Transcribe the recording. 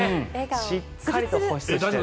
しっかりと保湿して。